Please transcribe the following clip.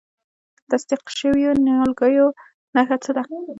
د تصدیق شویو نیالګیو نښه څه ده؟